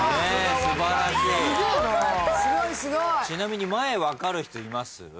ちなみに前分かる人います？